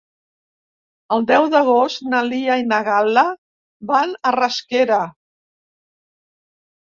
El deu d'agost na Lia i na Gal·la van a Rasquera.